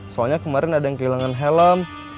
soalnya kemarin ada yang kehilangan helm